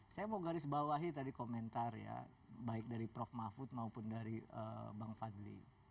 saya mau garis bawahi tadi komentar ya baik dari prof mahfud maupun dari bang fadli